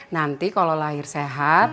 nanti kalau lahir sehat